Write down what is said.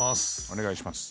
お願いします。